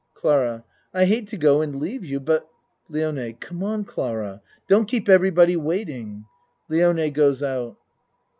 CLARA I hate to go and leave you but LIONE Come on Clara, don't keep everybody waiting (Lione goes out.)